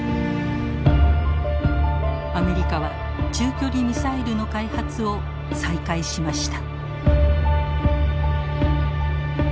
アメリカは中距離ミサイルの開発を再開しました。